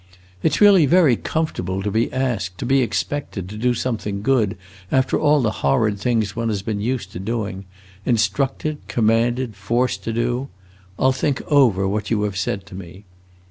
"It 's really very comfortable to be asked, to be expected, to do something good, after all the horrid things one has been used to doing instructed, commanded, forced to do! I 'll think over what you have said to me."